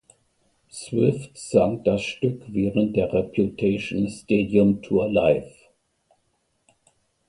Swift sang das Stück während der "Reputation Stadium Tour" live.